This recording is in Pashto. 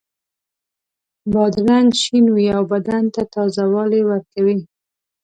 بادرنګ شین وي او بدن ته تازه والی ورکوي.